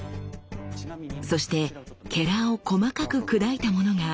そしてを細かく砕いたものが。